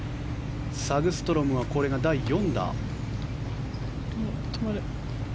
サグストロムはこれが第４打。